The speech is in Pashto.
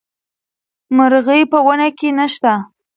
مرغۍ په ونه کې نه شته.